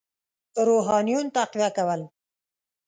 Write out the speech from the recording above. روحانیون تقویه کول.